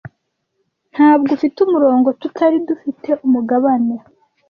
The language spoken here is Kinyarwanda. Ntabwo ufite umurongo tutari dufite umugabane.